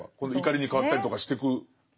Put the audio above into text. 怒りに変わったりとかしてく。